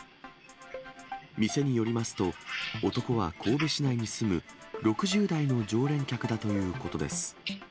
店によりますと、男は神戸市内に住む６０代の常連客だということです。